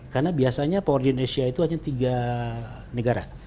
karena biasanya power gen asia itu hanya tiga negara